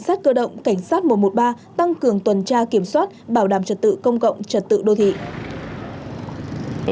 sát giao thông cảnh sát một trăm một mươi ba tăng cường tuần tra kiểm soát bảo đảm trật tự công cộng trật tự đô thị